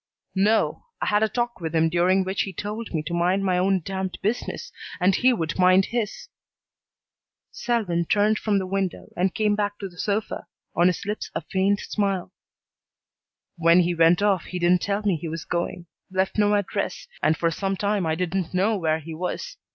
"No. I had a talk with him during which he told me to mind my own damned business and he would mind his." Selwyn turned from the window and came back to the sofa, on his lips a faint smile. "When he went off he didn't tell me he was going, left no address, and for some time I didn't know where he was.